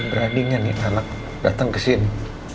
beraninya nih anak datang kesini